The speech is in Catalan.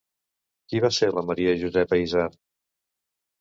Qui va ser la Maria Josepa Izard?